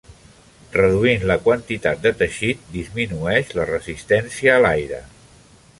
Reduint la quantitat de teixit disminueix la resistència a l'aire.